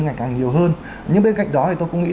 ngày càng nhiều hơn nhưng bên cạnh đó thì tôi cũng nghĩ